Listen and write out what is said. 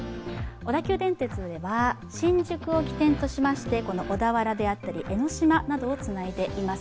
小田急電鉄では新宿を起点としまして小田原であったり、江の島などをつないでいます。